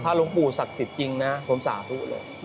หลวงปู่ศักดิ์สิทธิ์จริงนะผมสาธุเลย